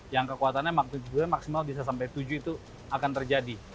yang kekuatannya maksimal bisa sampai tujuh itu akan terjadi